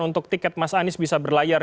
untuk tiket mas anies bisa berlayar